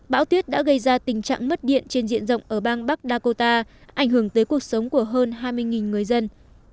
bão tuyết đã gây ra tình trạng mất điện trên diện rộng ở bang bắc dakota ảnh hưởng tới cuộc sống của hơn hai mươi người dân